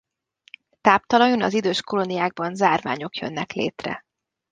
Táptalajon az idős kolóniákban zárványok jönnek létre.